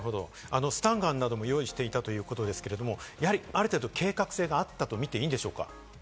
スタンガンなども用意していたということですけれど、ある程度、計画性があったと見ていいんでしょうか？